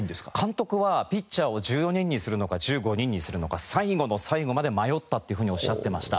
監督はピッチャーを１４人にするのか１５人にするのか最後の最後まで迷ったというふうにおっしゃってました。